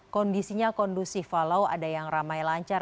kondisinya kondusif walau ada yang ramai lancar